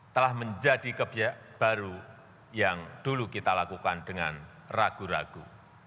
telah menjadi kebijak baru yang dulu kita lakukan dengan ragu ragu